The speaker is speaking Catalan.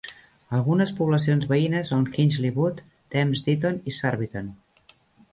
Algunes poblacions veïnes són Hinchley Wood, Thames Ditton i Surbiton.